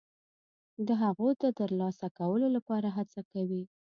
د هغو د ترلاسه کولو لپاره هڅه کوي.